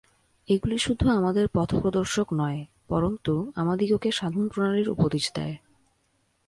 এগুলি শুধু আমাদের পথ-প্রদর্শক নয়, পরন্তু আমাদিগকে সাধনপ্রণালীর উপদেশ দেয়।